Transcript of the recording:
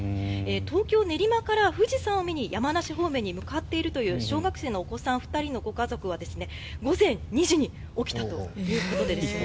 東京・練馬から富士山を見に山梨方面へ向かっているという小学生のお子さん２人のご家族は午前２時に起きたということで。